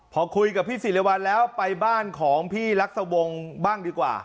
พอคุยกับพี่ศิริวัลแล้วไปบ้านของพี่ลักษวงศ์บ้างดีกว่า